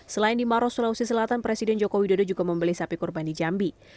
selain di maros sulawesi selatan presiden joko widodo juga membeli sapi kurban di jambi